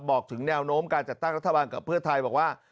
บอกถึงแนวโน้มการจัดตั้งรัฐบาลกับเพื่อไทยบอกว่า